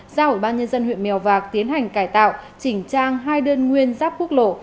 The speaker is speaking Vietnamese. giao ủy ban nhân dân huyện mèo vạc tiến hành cải tạo chỉnh trang hai đơn nguyên giáp quốc lộ